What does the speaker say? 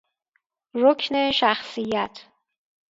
رکن شخصیت